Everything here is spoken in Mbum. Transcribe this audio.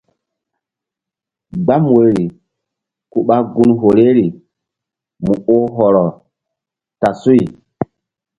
Gbam woyri ku ɓa gun horeri mu oh hɔrɔ ta suy.